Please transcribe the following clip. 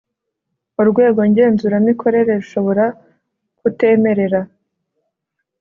Urwego ngenzuramikorere rushobora kutemerera